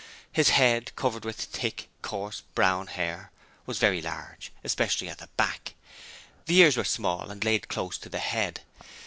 His head covered with thick, coarse brown hair was very large, especially at the back; the ears were small and laid close to the head.